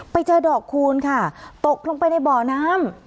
ไปเจอดอกคูณค่ะตกลงไปในบ่อน้ำ